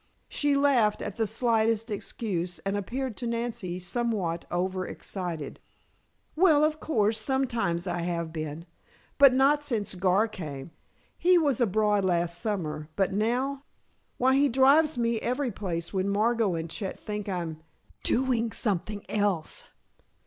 She laughed at the slightest excuse, and appeared to Nancy somewhat over excited. "Well, of course, sometimes I have been. But not since Gar came. He was abroad last summer, but now why, he drives me every place when Margot and Chet think I'm doing something else."